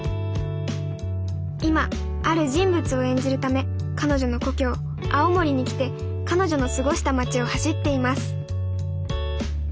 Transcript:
今ある人物を演じるため彼女の故郷青森に来て彼女の過ごした町を走っています。